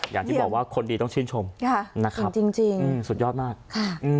อย่างที่บอกว่าคนดีต้องชื่นชมนะครับจริงสุดยอดมากค่ะ